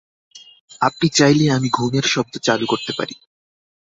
আপনি চাইলে আমি ঘুমের শব্দ চালু করতে পারি।